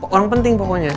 orang penting pokoknya